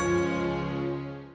sampai jumpa lagi